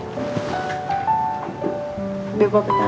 ambil bapak tau